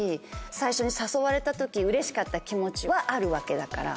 最初に誘われた時うれしかった気持ちはあるわけだから。